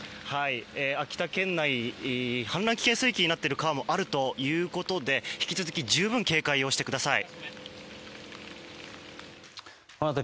秋田県内、氾濫危険水位になっている川もあるということで引き続き十分、警戒をしてください。